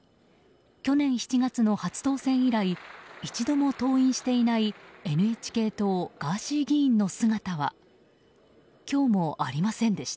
去年７月の初当選以来一度も登院していないＮＨＫ党、ガーシー議員の姿は今日もありませんでした。